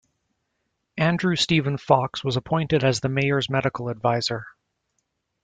Andrew Steven Fox was appointed as the mayor's medical advisor.